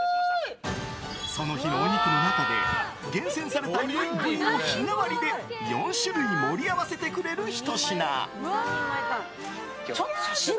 その日のお肉の中で厳選されたお肉を日替わりで４種類盛り合わせてくれるひと品。